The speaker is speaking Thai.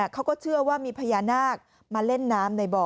เขาก็เชื่อว่ามีพญานาคมาเล่นน้ำในบ่อ